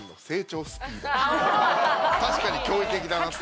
確かに驚異的だなって。